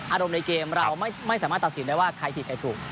อารมณ์ในเกมเราไม่สามารถตัดสินได้ว่าใครผิดใครถูก